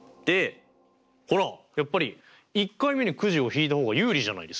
ほらやっぱり１回目にくじをひいた方が有利じゃないですか！